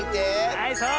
はいそう！